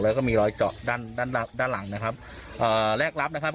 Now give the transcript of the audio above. แล้วก็มีรอยเจาะด้านด้านด้านด้านด้านหลังนะครับเอ่อแรกรับนะครับ